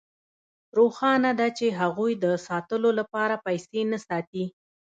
روښانه ده چې هغوی د ساتلو لپاره پیسې نه ساتي